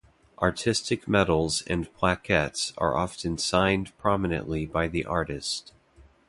Artistic medals and plaquettes are often signed prominently by the artist.